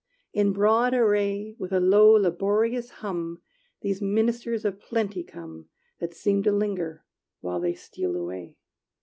In broad array, With a low, laborious hum These ministers of plenty come, That seem to linger, while they steal away.